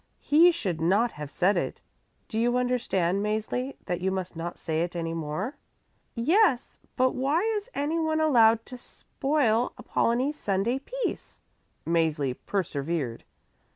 He should not have said it. Do you understand, Mäzli, that you must not say it any more?" "Yes, but why is anyone allowed to spoil Apollonie's Sunday peace?" Mäzli persevered.